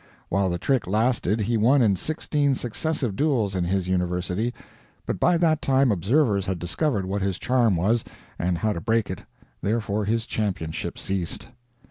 While the trick lasted he won in sixteen successive duels in his university; but by that time observers had discovered what his charm was, and how to break it, therefore his championship ceased.